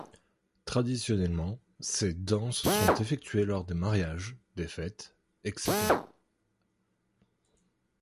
Traditionnellement, ces danses sont effectuées lors des mariages, des fêtes, etc.